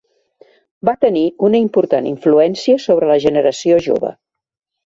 Va tenir una important influència sobre la generació jove.